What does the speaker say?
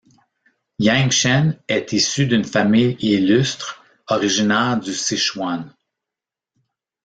Yang Shen est issu d'une famille illustre, originaire du Sichuan.